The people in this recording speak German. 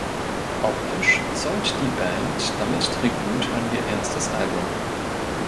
Optisch zollt die Band damit Tribut an ihr erstes Album.